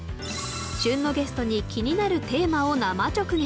旬のゲストに気になるテーマを生直撃。